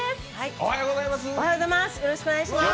おはようございます。